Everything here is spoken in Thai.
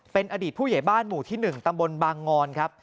เป็นอดีตผู้ใหญ่บ้านหมู่ที่๑ตำบลบางงอนครับ